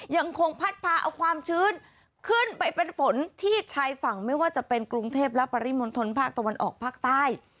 ยังคงพัดพาเอาความชื้นขึ้นไปเป็นฝนที่ชายฝั่งไม่ว่าจะเป็นกรุงเทพและปริมณฑลภาคตะวันออกภาคใต้